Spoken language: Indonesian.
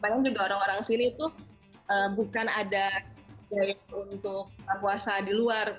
makanya juga orang orang sini tuh bukan ada jalan untuk tamu puasa di luar